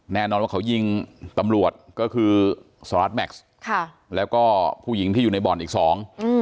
แน่นอนว่าเขายิงตำรวจก็คือสหรัฐแม็กซ์ค่ะแล้วก็ผู้หญิงที่อยู่ในบ่อนอีกสองอืม